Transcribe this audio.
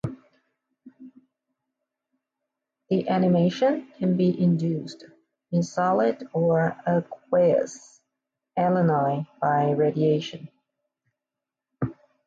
Deamination can be induced in solid or aqueous alanine by radiation.